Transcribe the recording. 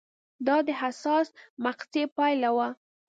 دا د حساسې مقطعې پایله وه